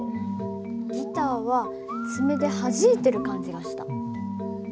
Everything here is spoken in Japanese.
ギターは爪ではじいてる感じがした。